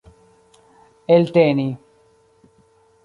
elteni